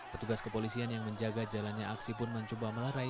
petugas kepolisian yang menjaga jalannya aksi pun mencoba melarai